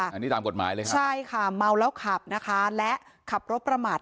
อันนี้ตามกฎหมายเลยค่ะใช่ค่ะเมาแล้วขับนะคะและขับรถประมาท